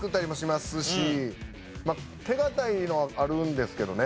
まあ手堅いのはあるんですけどね。